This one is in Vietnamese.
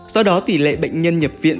do đó tỷ lệ bệnh nhân nhập viện